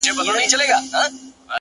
د وخت ناخوالي كاږم،